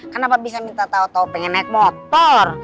kenapa bisa minta tau tau pengen naik motor